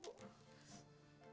aduh aduh bu